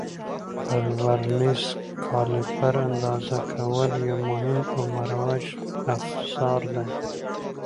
پر ورنیز کالیپر اندازه کول یو مهم او مروج افزار دی.